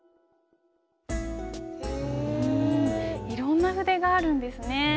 うんいろんな筆があるんですね。